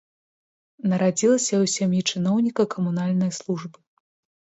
Нарадзілася ў сям'і чыноўніка камунальнай службы.